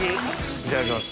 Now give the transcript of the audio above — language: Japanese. いただきます。